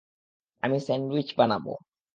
আমি স্যান্ডউইচ বানাবো।